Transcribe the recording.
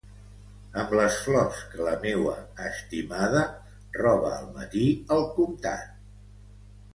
Amb les flors que la meua estimada, roba al matí al Comtat.